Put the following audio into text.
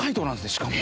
しかも。